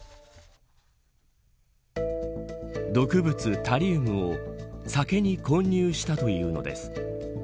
毒物タリウムを酒に混入したというのです。